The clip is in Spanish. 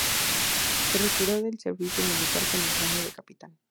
Se retiró del servicio militar con el rango de capitán.